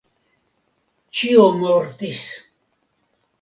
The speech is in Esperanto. Ĉio mortis!